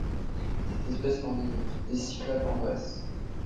Cette espèce est endémique des Cyclades en Grèce.